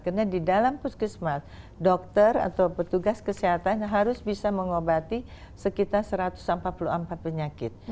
karena di dalam puskesmas dokter atau petugas kesehatan harus bisa mengobati sekitar satu ratus empat puluh empat penyakit